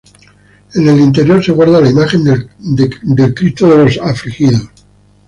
En el interior se guarda la imagen del Cristo de los Afligidos.